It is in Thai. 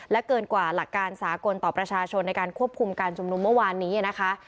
เกินกว่าหลักการสากลต่อประชาชนในการควบคุมการชุมนุมเมื่อวานนี้นะคะ